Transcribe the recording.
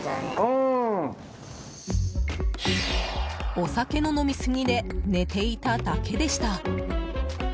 お酒の飲み過ぎで寝ていただけでした。